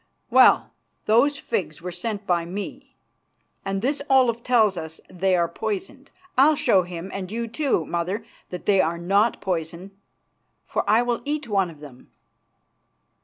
"Well, those figs were sent by me, and this Olaf tells us they are poisoned. I'll show him, and you too, mother, that they are not poisoned, for I will eat one of them."